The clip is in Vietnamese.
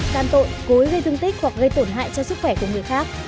càn tội cối gây thương tích hoặc gây tổn hại cho sức khỏe của người khác